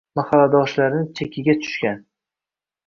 Mahalladoshlari chekiga tushgan